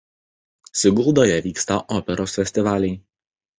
Siguldoje vyksta operos festivaliai.